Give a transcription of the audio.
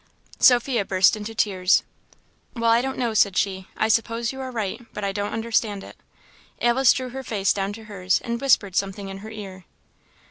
Sophia burst into tears. "Well, I don't know," said she; "I suppose you are right; but I don't understand it." Alice drew her face down to hers, and whispered something in her ear.